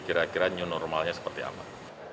kira kira new normalnya seperti apa